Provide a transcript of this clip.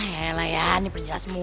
hai hai alayani perjelas mulu